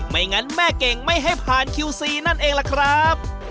ไม่งั้นแม่เก่งไม่ให้ผ่านคิวซีนั่นเองล่ะครับ